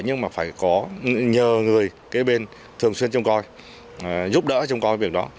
nhưng mà phải nhờ người kế bên thường xuyên trong coi giúp đỡ trong coi việc đó